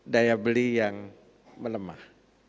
daya beli yang menemah